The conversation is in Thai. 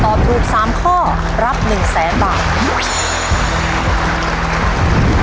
ตอบถูกสามข้อรับหนึ่งแสนบาท